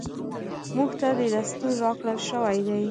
موږ ته دستور راکړل شوی دی .